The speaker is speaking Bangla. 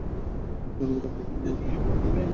ধন্যবাদ আপনাকে, আমি মদ না খেলে এখন ঘুমাতেও পারবো না।